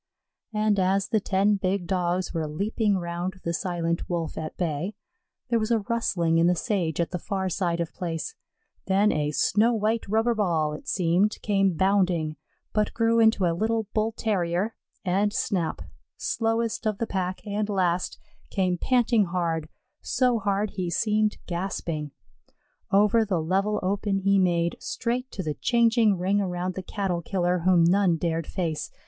And as the ten big Dogs were leaping round the silent Wolf at bay, there was a rustling in the sage at the far side of place; then a snow white rubber ball, it seemed, came bounding, but grew into a little Bull terrier, and Snap, slowest of the pack, and last, came panting hard, so hard he seemed gasping. Over the level open he made, straight to the changing ring around the Cattle killer whom none dared face.